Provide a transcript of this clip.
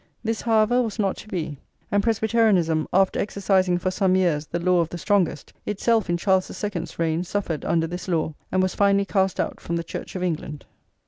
This, however, was not to be; and Presbyterianism, after exercising for some years the law of the strongest, itself in Charles the Second's reign suffered under this law, and was finally cast out from the Church of England.